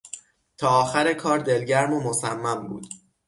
تا آخر کار دلگرم و مصمم بود.